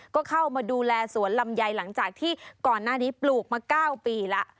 ก็เข้ามาดูแลสวนลำไยหลังจากที่ก่อนหน้านี้ปลูกมา๙ปีแล้ว